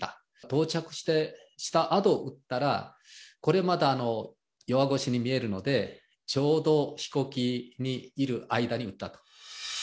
到着したあと撃ったら、これまた弱腰に見えるので、ちょうど飛行機にいる間に撃ったと。